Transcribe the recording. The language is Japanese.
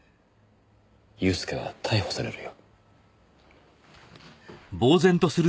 祐介は逮捕されるよ。